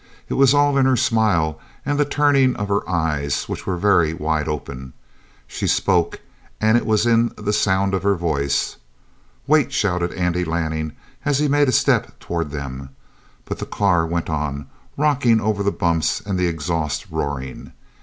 It was all in her smile and the turning of her eyes, which were very wide open. She spoke, and it was in the sound of her voice. "Wait!" shouted Andy Lanning as he made a step toward them. But the car went on, rocking over the bumps and the exhaust roaring.